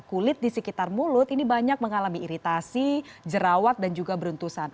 kulit di sekitar mulut ini banyak mengalami iritasi jerawat dan juga beruntusan